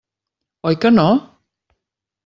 Oi que no?